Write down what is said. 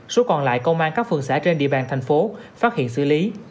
số còn lại công an các phường xã trên địa bàn thành phố phát hiện xử lý